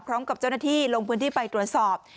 พร้อมกับเจ้าหน้าที่ลงพื้นที่ไปตรวจสอบ